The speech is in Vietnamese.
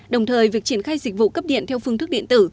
đồng thời việc triển khai dịch vụ cấp điện theo phương thức điện tử